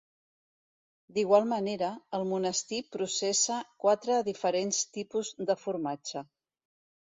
D'igual manera, el monestir processa quatre diferents tipus de formatge.